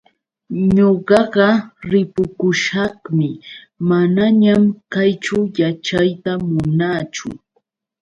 Ñuqaqa ripukushaqmi, manañan kayćhu yaćhayta munaachu.